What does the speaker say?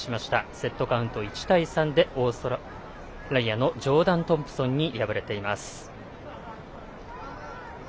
セットカウント１対３でオーストラリアのジョーダン・トンプソンに敗れています。